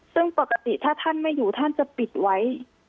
ซึ่งปกติถ้าท่านไม่อยู่ท่านจะปิดไว้